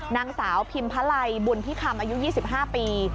นางสาวพิมพะลัยบุญที่คำอายุ๒๕ปี